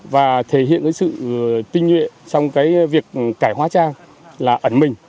và thể hiện sự tinh nhuệ trong việc cải hóa trang là ẩn mình